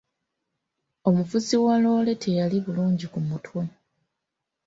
Omuvuzi wa loore teyali bulungi ku mutwe.